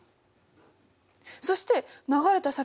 そして流れた先は泥水。